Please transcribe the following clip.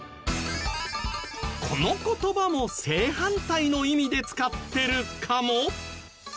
この言葉も正反対の意味で使ってるかも